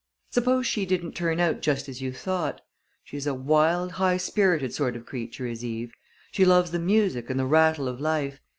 "Suppose she didn't turn out just as you thought! She's a wild, high spirited sort of creature is Eve. She loves the music and the rattle of life.